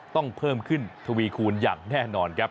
เพิ่มขึ้นทวีคูณอย่างแน่นอนครับ